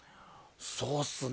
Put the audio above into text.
そうっすね。